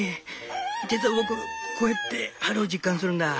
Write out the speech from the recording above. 実は僕こうやって春を実感するんだ。